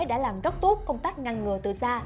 đã làm rất tốt công tác ngăn ngừa từ xa